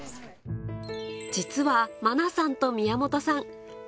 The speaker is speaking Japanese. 実は愛菜さんと宮本さん